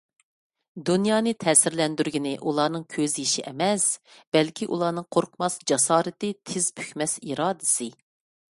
دۇنيانى تەسىرلەندۈرگىنى ئۇلارنىڭ كۆز يېشى ئەمەس، بەلكى ئۇلارنىڭ قورقماس جاسارىتى، تىز پۈكمەس ئىرادىسى.